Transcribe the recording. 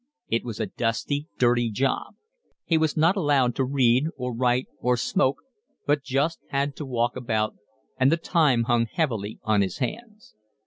It was a dusty, dirty job. He was not allowed to read or write or smoke, but just had to walk about, and the time hung heavily on his hands.